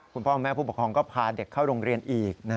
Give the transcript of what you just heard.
คุณพ่อแม่ผู้ปกครองก็พาเด็กเข้าโรงเรียนอีก